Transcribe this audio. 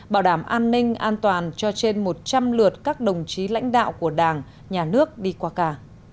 bảo đảm an ninh an toàn cho trên một trăm linh lượt các đồng chí lãnh đạo của đảng nhà nước đi qua cả